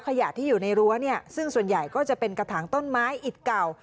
ขยะที่อยู่ในรั้วเนี่ยซึ่งส่วนใหญ่ก็จะเป็นกระถางต้นไม้อิดเก่า